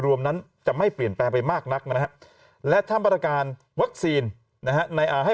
รวมนั้นจะไม่เปลี่ยนแปลงไปมากนักและถ้าปฏิการวัคซีนให้